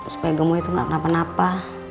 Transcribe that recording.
supaya gemuk itu gak kenapa napa